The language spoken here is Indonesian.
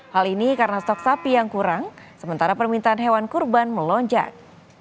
hal ini karena stok sapi yang kurang sementara permintaan hewan kurban melonjak